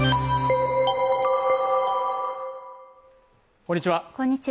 こんにちは